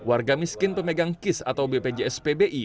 warga miskin pemegang kis atau bpjs pbi